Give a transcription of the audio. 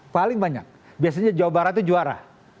paling banyak biasanya jawa barat itu juara